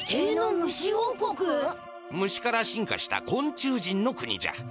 ムシから進化した昆虫人の国じゃ。